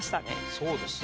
そうですね。